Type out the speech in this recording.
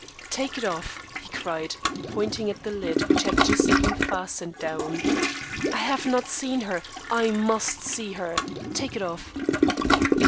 "Take it off!" he cried, pointing at the lid which had just been fastened down. "I have not seen her I must see her. Take it off!"